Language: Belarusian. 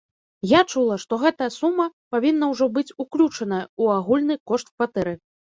Я чула, што гэта сума павінна ўжо быць уключаная ў агульны кошт кватэры.